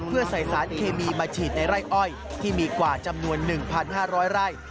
เพื่อใส่สารเคมีมาฉีดในไร่อ้อยที่มีกว่าจำนวน๑๕๐๐ไร่